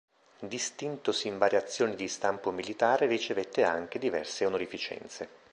Distintosi in varie azioni di stampo militare ricevette anche diverse onorificenze.